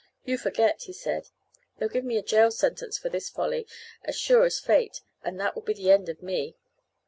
"You forget," he said. "They'll give me a jail sentence for this folly, as sure as fate, and that will be the end of me."